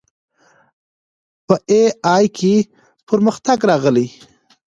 په اې ای کې پرمختګ راغلی.